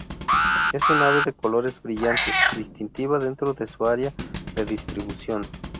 Es un ave de colores brillantes, distintiva dentro de su área de distribución.